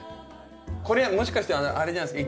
これもしかしてあれじゃないですか？